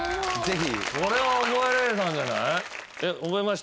これは覚えられたんじゃない？